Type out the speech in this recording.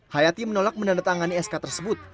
hayati menolak menandatangani sk tersebut